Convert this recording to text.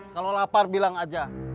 kalau lapar bilang aja